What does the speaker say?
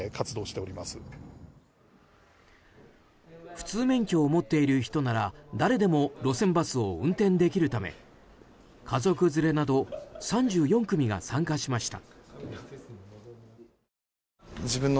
普通免許を持っている人なら誰でも路線バスを運転できるため家族連れなど３４組が参加しました。